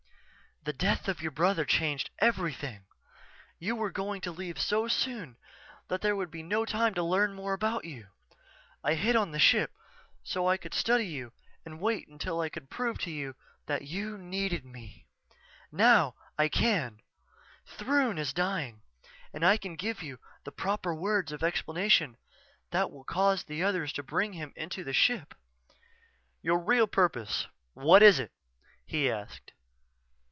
"_The death of your brother changed everything. You were going to leave so soon that there would be no time to learn more about you. I hid on the ship so I could study you and wait until I could prove to you that you needed me. Now, I can Throon is dying and I can give you the proper words of explanation that will cause the others to bring him into the ship._" "Your real purpose what is it?" he asked.